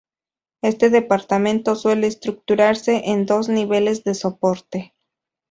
Este departamento suele estructurarse en dos niveles de soporte.